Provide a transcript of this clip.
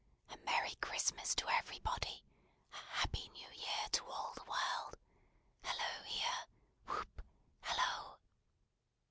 A merry Christmas to everybody! A happy New Year to all the world. Hallo here! Whoop! Hallo!"